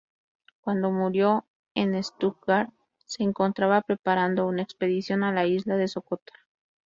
Cuando murió en Stuttgart se encontraba preparando una expedición a la isla de Socotra.